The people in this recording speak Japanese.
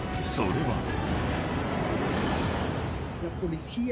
［それは］